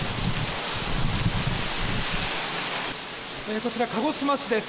こちら、鹿児島市です。